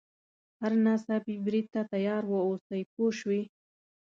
هر ناڅاپي برید ته تیار واوسي پوه شوې!.